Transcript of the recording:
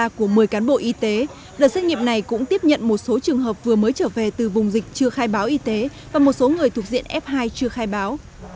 xét nghiệm của một mươi cán bộ y tế đợt xét nghiệm này cũng tiếp nhận một số trường hợp vừa mới trở về từ vùng dịch chưa khai báo y tế và một số người thuộc diện f hai chưa khai báo